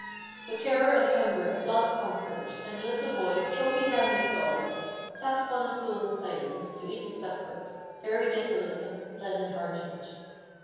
So terror and hunger at last conquered, and the little boy, choking down his sobs, sat upon a stool in silence, to eat his supper, very desolate and leaden hearted.